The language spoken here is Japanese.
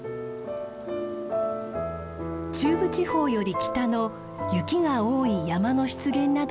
中部地方より北の雪が多い山の湿原などに分布する植物です。